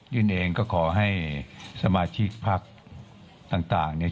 เองก็ขอให้สมาชิกภักดิ์ต่างเนี่ย